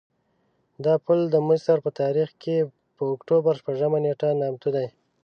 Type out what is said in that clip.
دا پل د مصر په تاریخ کې په اکتوبر شپږمه نېټه نامتو دی.